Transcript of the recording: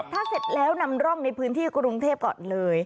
ถ้าเสร็จแล้วนำร่องในพื้นที่กรุงเทพก่อนเลย